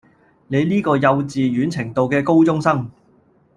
你呢個幼稚園程度嘅高中生